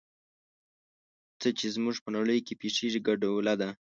څه چې زموږ په نړۍ کې پېښېږي ګډوله ده.